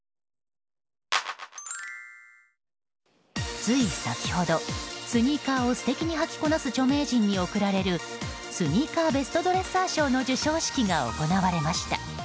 つい先ほどスニーカーを素敵に履きこなす著名人に贈られるスニーカーベストドレッサー賞の授賞式が行われました。